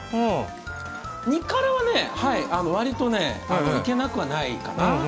２辛はわりといけなくはないかな。